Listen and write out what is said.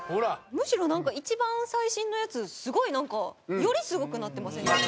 むしろ一番最新のやつすごいなんかよりすごくなってません？